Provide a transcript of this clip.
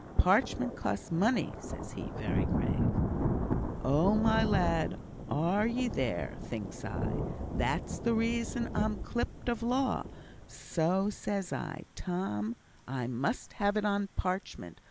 'Parchment costs money,' says he, very grave. 'Oh, oh, my lad! are ye there?' thinks I. 'That's the reason I'm clipped of law.' So says I, 'Tom! I mun have it on parchment.